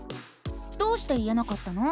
どうして言えなかったの？